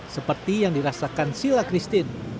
seperti yang dirasakan sila christine